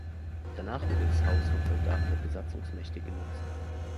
Danach wurde das Haus von Soldaten der Besatzungsmächte genutzt.